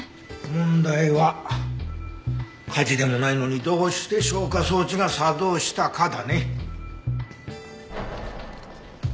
問題は火事でもないのにどうして消火装置が作動したかだね。